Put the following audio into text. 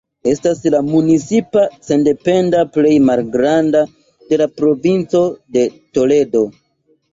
Estas la municipo sendependa plej malgranda de la provinco de Toledo.